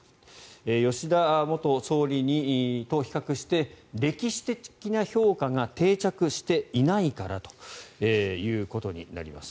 吉田元総理と比較して歴史的な評価が定着していないからということになります。